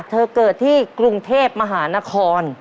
เกิดที่กรุงเทพมหานคร